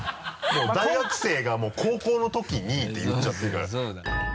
もう大学生が「高校のときに」って言っちゃってるから。